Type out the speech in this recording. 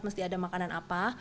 mesti ada makanan apa